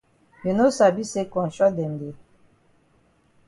You no sabi say konshot dem dey?